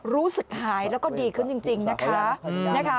รู้สึกหายแล้วก็ดีขึ้นจริงนะคะ